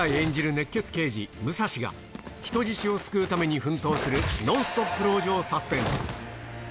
熱血刑事、武蔵が、人質を救うために奮闘するノンストップ籠城サスペンス。